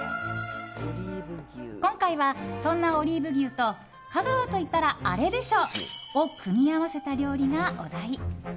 今回は、そんなオリーブ牛と香川といったらあれでしょ！を組み合わせた料理がお題。